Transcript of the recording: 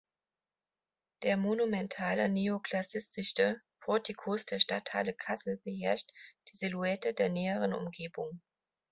Der monumentale neoklassizistische Portikus der Stadthalle Kassel beherrscht die Silhouette der näheren Umgebung.